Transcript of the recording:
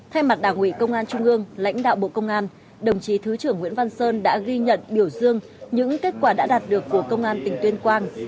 thay mặt đảng ủy công an trung ương lãnh đạo bộ công an đồng chí thứ trưởng nguyễn văn sơn đã ghi nhận biểu dương những kết quả đã đạt được của công an tỉnh tuyên quang